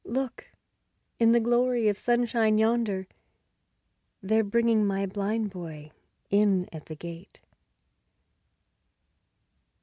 ... Look! In the glory of sunshine yonder They're bringing my blind boy in at the gate.